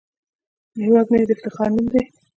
هیواد مې د افتخار نوم دی